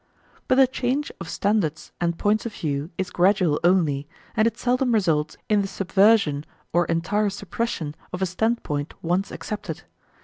But the change of standards and points of view is gradual only, and it seldom results in the subversion or entire suppression of a standpoint once accepted.